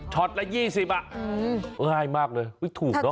ช็อตละ๒๐อ่ะง่ายมากเลยถูกเนอะ